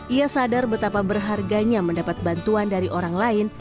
ia sadar betapa berharganya mendapat bantuan dari orang lain